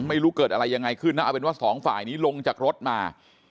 ไม่รู้เกิดอะไรยังไงขึ้นนะเอาเป็นว่าสองฝ่ายนี้ลงจากรถมา